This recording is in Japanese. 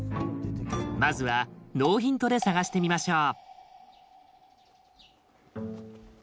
まずはノーヒントで探してみましょう。